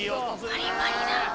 パリパリだ。